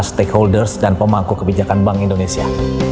stakeholders dan pemangku kebijakan bank indonesia